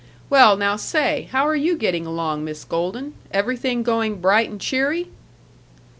Well, now, say! How are you getting along, Miss Golden? Everything going bright and cheery?"